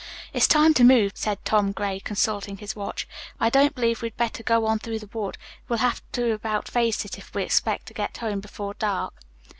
"It's time to move," said Tom Gray, consulting his watch. "I don't believe we'd better go on through the wood. We'll have to about face if we expect to get home before dark."